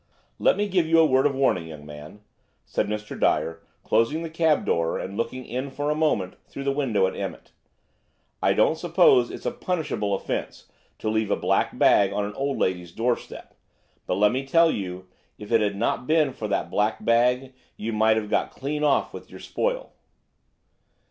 "Let me give you a word of warning, young man," said Mr. Dyer, closing the cab door and looking in for a moment through the window at Emmett. "I don't suppose it's a punishable offence to leave a black bag on an old maid's doorstep, but let me tell you, if it had not been for that black bag you might have got clean off with your spoil."